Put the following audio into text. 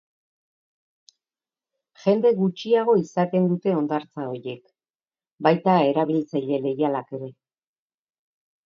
Jende gutxiago izaten dute hondartza horiek, baita erabiltzaile leialak ere.